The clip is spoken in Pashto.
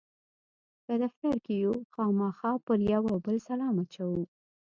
که دفتر کې یو خامخا پر یو او بل سلام اچوو.